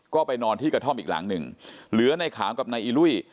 ก็ไปนอนที่กระท่อมอีกหลังหนึ่งเหลือในขาวกับนายอิลุย